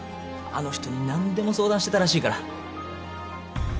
あの人に何でも相談してたらしいから。